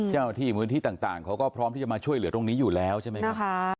เจ้าหน้าที่พื้นที่ต่างเขาก็พร้อมที่จะมาช่วยเหลือตรงนี้อยู่แล้วใช่ไหมครับ